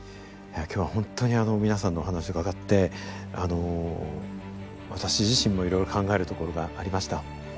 今日は本当に皆さんのお話を伺ってあの私自身もいろいろ考えるところがありました。